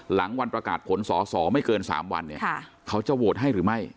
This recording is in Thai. หลังวันประกาศผลสอสอไม่เกิน๓วันเนี่ยเขาจะโหวตให้หรือไม่